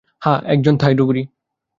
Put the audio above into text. হ্যাঁ, একজন থাই ডুবুরি।